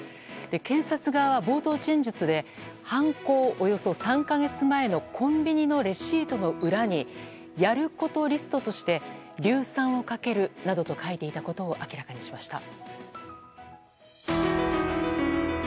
警察側は冒頭陳述で犯行およそ３か月前のコンビニのレシートの裏にやることリストとして硫酸をかけるなどと書いていたことを明らかにしました。